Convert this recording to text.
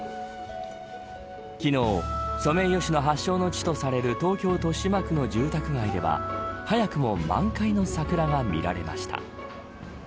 昨日、ソメイヨシノ発祥の地とされる東京、豊島区の住宅街では早くも満開の桜が見られました。